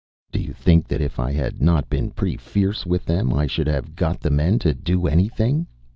Do you think that if I had not been pretty fierce with them I should have got the men to do anything?